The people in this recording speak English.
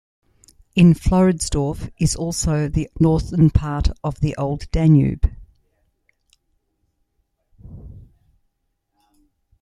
In Floridsdorf is also the northern part of the Old Danube.